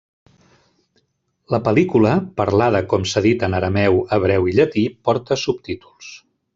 La pel·lícula parlada, com s'ha dit, en arameu, hebreu i llatí porta subtítols.